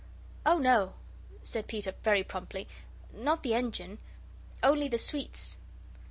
"Oh, no," said Peter, very promptly, "not the engine. Only the sweets."